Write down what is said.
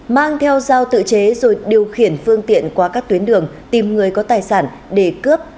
mang theo dao tự chế rồi điều khiển phương tiện qua các tuyến đường tìm người có tài sản để cướp